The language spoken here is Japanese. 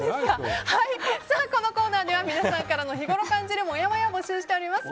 このコーナーでは皆さんからの日頃感じるもやもやを募集しております。